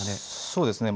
そうですね。